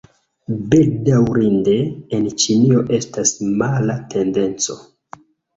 Bedaŭrinde, en Ĉinio estas mala tendenco.